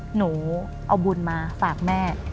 หนูเอาบุญมาฝากแม่